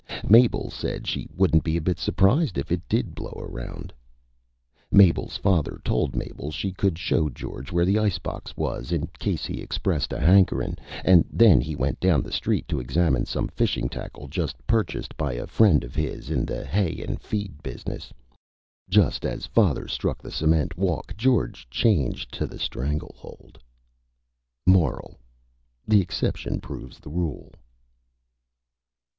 Mabel said she wouldn't be a bit Surprised if it did blow around. [Illustration: MABEL'S FATHER] Mabel's Father told Mabel she could show George where the Ice Box wuz in case he Expressed a Hankerin', and then he went down street to examine some Fishing Tackle just purchased by a Friend of his in the Hay and Feed Business. Just as Father struck the Cement Walk George changed to the Strangle Hold. MORAL: _The Exception proves the Rule.